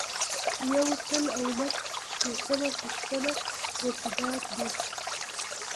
یو سل او نهه شپیتمه پوښتنه رسیدات دي.